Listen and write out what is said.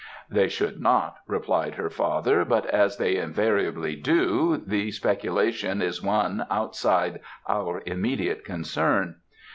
"They should not," replied her father; "but as they invariably do, the speculation is one outside our immediate concern.